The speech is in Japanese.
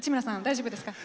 大丈夫ですか？